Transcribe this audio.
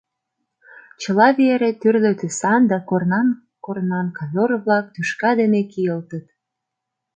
Чыла вере тӱрлӧ тӱсан да корнан-корнан ковёр-влак тӱшка дене кийылтыт.